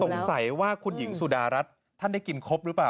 สงสัยว่าคุณหญิงสุดารัฐท่านได้กินครบหรือเปล่า